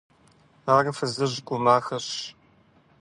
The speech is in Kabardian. Ар фызыжь гу махэщ.